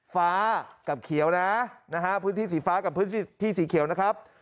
ฟ้ากับเขียวนะนะฮะพื้นที่สีฟ้ากับพื้นที่สีเขียวนะครับ